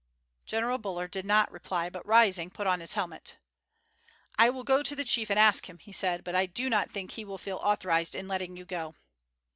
General Buller did not reply, but rising put on his helmet. "I will go to the chief and ask him," he said; "but I don't think he will feel authorized in letting you go."